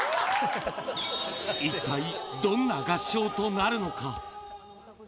一体どんな合唱となるのか。